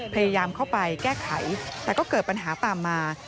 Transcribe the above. พยายามเข้าไปแก้ไขแต่ก็เกิดปัญหาตามมา